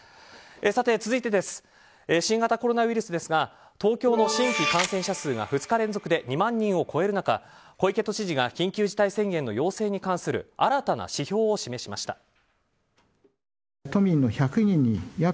続いて新型コロナウイルスですが東京の新規感染者が２日連続で２万人を超える中小池都知事が緊急事態宣言の要請に関する新たな指標を示しました。